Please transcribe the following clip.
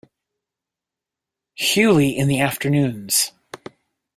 Hughley in the Afternoons.